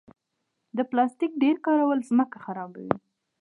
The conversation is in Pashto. د پلاستیک ډېر کارول ځمکه خرابوي.